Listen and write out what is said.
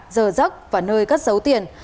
giờ rắc và nơi cất dấu tiền